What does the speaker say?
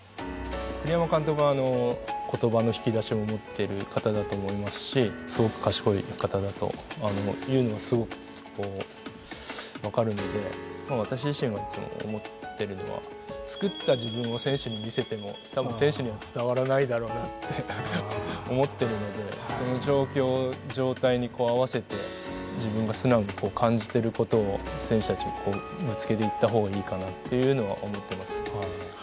栗山監督は言葉の引き出しを持ってる方だと思いますしすごく賢い方だというのはすごくわかるので私自身がいつも思ってるのは作った自分を選手に見せても多分選手には伝わらないだろうなって思ってるのでその状況状態に合わせて自分が素直に感じてる事を選手たちにぶつけていった方がいいかなっていうのは思ってます。